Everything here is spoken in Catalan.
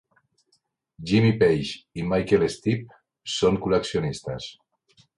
Jimmy Page i Michael Stipe són col·leccionistes.